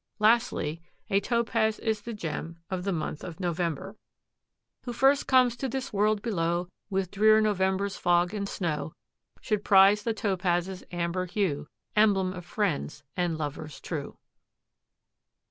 Lastly, a Topaz is the gem of the month of November: "Who first comes to this world below With drear November's fog and snow Should prize the topaz's amber hue, Emblem of friends and lovers true."